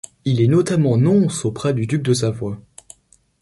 Il est notamment nonce auprès du duc de Savoie.